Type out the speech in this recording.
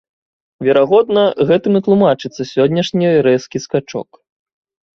Верагодна, гэтым і тлумачыцца сённяшні рэзкі скачок.